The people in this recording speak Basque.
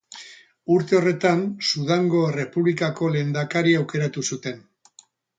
Urte horretan, Sudango Errepublikako lehendakari aukeratu zuten.